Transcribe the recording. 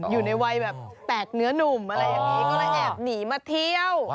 อยู่ในวัยแบบแตกเนื้อนุ่มอะไรอย่างนี้ก็เลยแอบหนีมาเที่ยว